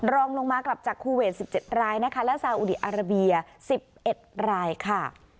รองลงมากลับจากคูเวท๑๗รายนะคะและซาอุดีอาราเบีย๑๑รายค่ะ